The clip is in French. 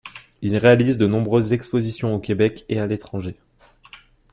Il réalise de nombreuses expositions au Québec et à l'étranger.